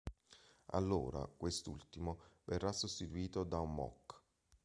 Allora quest'ultimo verrà sostituito da un mock.